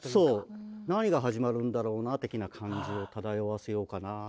何が始まるんだろうな的な感じを漂わせようかな。